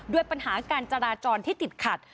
ด้วยปัญหาการจราจรที่ติดขัด